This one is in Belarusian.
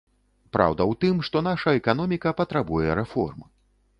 Праўда ў тым, што наша эканоміка патрабуе рэформ.